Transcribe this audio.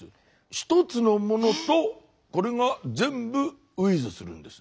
１つのものとこれが全部ｗｉｔｈするんです。